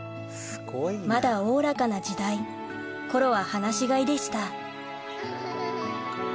まだおおらかな時代コロは放し飼いでしたフフフフフ。